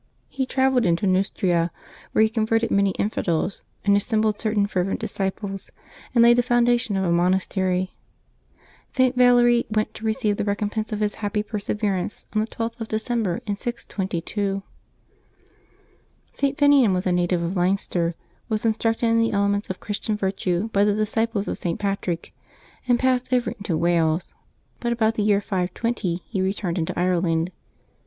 He travelled into Neustria, where he converted many infidels, and assembled certain fervent disciples, and laid the foundation of a monastery. Saint Yalery went to receive the recompense of his happy perseverance on the 12th of December in 622. St. Finian was a native of Leinster, was instructed in the elements of Christian virtue by the disciples of St. Patrick, and passed over into Wales; but about the year 520 he returned into Ireland.